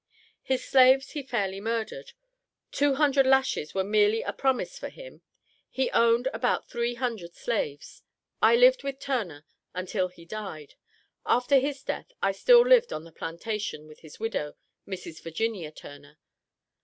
His slaves he fairly murdered; two hundred lashes were merely a promise for him. He owned about three hundred slaves. I lived with Turner until he died. After his death I still lived on the plantation with his widow, Mrs. Virginia Turner."